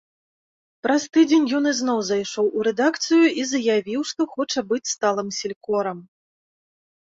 Праз тыдзень ён ізноў зайшоў у рэдакцыю і заявіў, што хоча быць сталым селькорам.